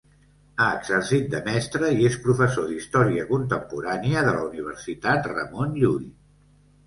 Ha exercit de mestre i és professor d'Història Contemporània de la Universitat Ramon Llull.